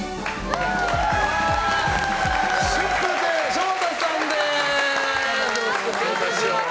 春風亭昇太さんです！